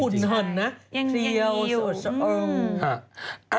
ดูหุ่นหันนะ